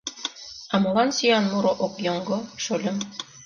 А молан сӱан муро ок йоҥго, шольым?